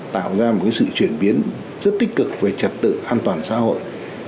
tạo ra một sự chuyển biến rất tích cực về trật tự an toàn xã hội